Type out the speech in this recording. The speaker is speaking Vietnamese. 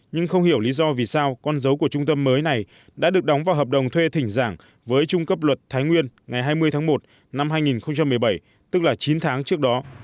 nhưng không hiểu lý do vì sao con dấu của trung tâm mới này đã được đóng vào hợp đồng thuê thỉnh giảng với trung cấp luật thái nguyên ngày hai mươi tháng một năm hai nghìn một mươi bảy tức là chín tháng trước đó